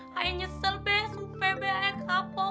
saya nyesel bea sumpah bea saya kapok